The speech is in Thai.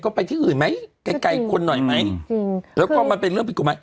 ก็ไปที่อื่นไหมไกลไกลคนหน่อยไหมก็แล้วก็มันเป็นเรื่อง๙๓